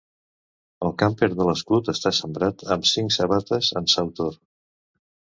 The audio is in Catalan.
El camper de l'escut està sembrat amb cinc sabates en sautor.